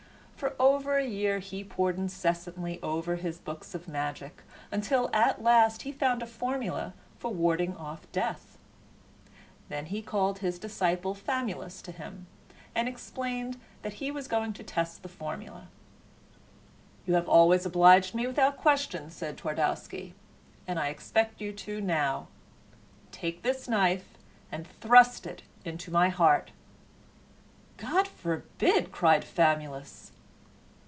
For over a year he pored incessantly over his books of magic, until at last he found a formula for warding off death. Then he called his disciple Famulus to him and explained that he was going to test the formula. "You have always obliged me without question," said Twardowski, "and I expect you to now. Take this knife and thrust it into my heart." "God forbid!" cried Famulus.